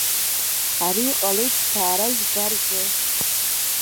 Ари ҟалеит жьҭаара жәба рзы.